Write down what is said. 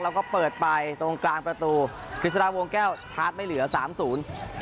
แล้วก็เปิดไปตรงกลางประตูกฤษฎาวงแก้วชาร์จไม่เหลือสามศูนย์